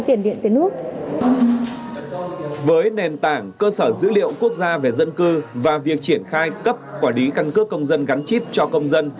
cơ sở dữ liệu quốc gia về dân cư và việc triển khai cấp quả lý căn cước công dân gắn chip cho công dân